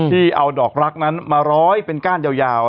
ที่เอาดอกรักนั้นมาร้อยเป็นก้านยาว